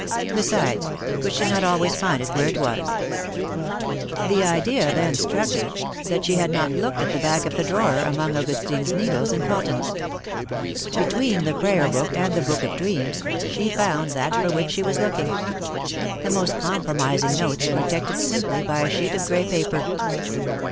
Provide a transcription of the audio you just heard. Besides, could she not always find it where it was? The idea then struck her, that she had not looked at THE MARKETS OF PARIS. 227 the back of the drawer among Augustine's needles and cottons. Between the prayer book and the book of dreams, she found that for which she was looking : the most compromising notes protected simply by a sheet of gray paper.